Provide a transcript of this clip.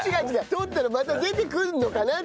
とったらまた出てくるのかなって。